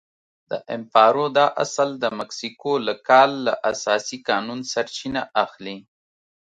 د امپارو دا اصل د مکسیکو له کال له اساسي قانون سرچینه اخلي.